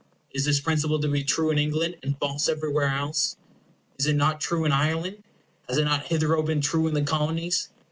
Is this principle to be true in England, and false everywhere else? Is it not true in Ireland? Has it not hitherto been true in the Colonies?